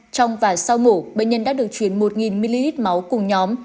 trong và sau mổ bệnh nhân đã được chuyển một ml máu cùng nhóm